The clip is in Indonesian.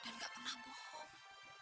dan gak pernah bohong